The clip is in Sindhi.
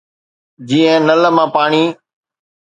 جيئن نل مان پاڻي